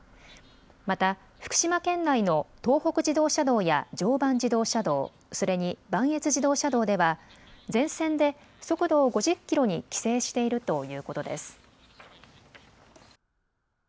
また福島県内の東北自動車道や常磐自動車道、それに磐越自動車道では全線で速度を５０キロに規制しているということです。